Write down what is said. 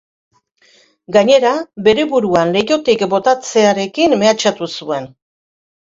Gainera, bere burua leihotik botatzearekin mehatxatu zuen.